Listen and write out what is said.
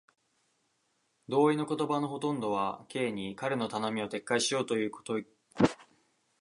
同意の言葉はほとんど Ｋ に、彼の頼みを撤回しようというという気持にさせるくらいだった。この男ときたら、ただつまらぬことにだけ同意できるのだ。